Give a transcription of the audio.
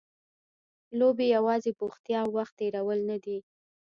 لوبې یوازې بوختیا او وخت تېرول نه دي.